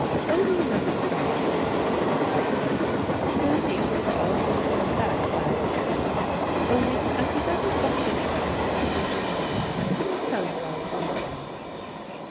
"Only an old friend," said Mrs. Bergmann, "whom you would all have been very glad to see. Only as he doesn't want anybody to know he's in London, I couldn't tell you all who he was."